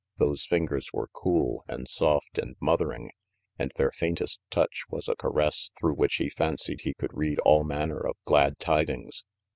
Those fingers were cool, and soft and mothering, and their faintest touch was a caress through which he fancied he could read all manner of glad tidings.